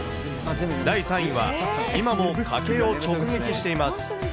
第３位は、今も家計を直撃しています。